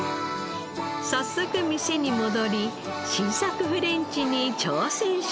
早速店に戻り新作フレンチに挑戦します。